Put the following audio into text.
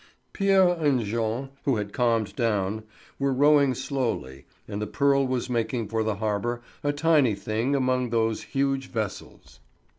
Pierre and Jean, who had calmed down, were rowing slowly, and the Pearl was making for the harbour, a tiny thing among those huge vessels.